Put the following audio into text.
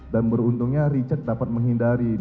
dan beruntungnya richard dapat menghindari